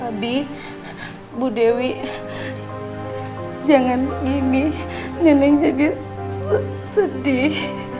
abi bu dewi jangan begini nenek jadi sedih